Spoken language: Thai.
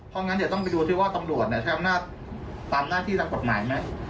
เพราะงั้นเดี๋ยวต้องไปดูที่ว่าตำรวจใช้อำนาจตามหน้าที่ทางกฎหมายไหม